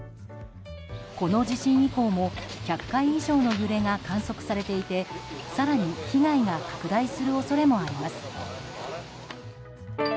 この地震以降も１００回以上の揺れが観測されていて更に被害が拡大する恐れもあります。